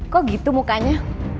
kok gitu mukanya